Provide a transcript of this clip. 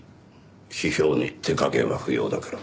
批評に手加減は不要だからね。